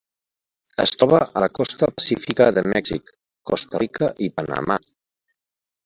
Es troba a la costa pacífica de Mèxic, Costa Rica i Panamà.